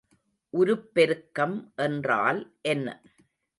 உருப்பெருக்கம் என்றால் என்ன?